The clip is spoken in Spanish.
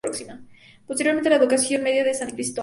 Posteriormente la educación media en San Cristóbal.